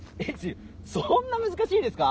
そんな難しいですか？